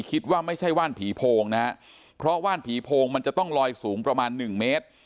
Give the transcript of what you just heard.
คิดว่าไม่ใช่ว่านผีโพงนะฮะเพราะว่านผีโพงมันจะต้องลอยสูงประมาณหนึ่งเมตร